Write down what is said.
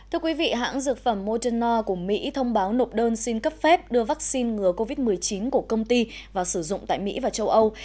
thưa quý vị hãng dược phẩm moderna của mỹ thông báo nộp đơn xin cấp phép đưa vaccine ngừa covid một mươi chín của công ty vào sử dụng tại mỹ và châu âu